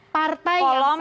partai yang sama